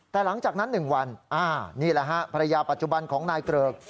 แต่หลังจากนั้น๑วันนี่แหละฮะภรรยาปัจจุบันของนายเกริก